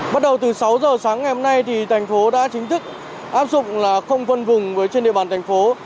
bắt đầu từ sáu h sáng ngày hôm nay thành phố đã chính thức áp dụng không phân vùng trên địa bàn thành phố